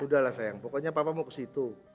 udahlah sayang pokoknya papa mau ke situ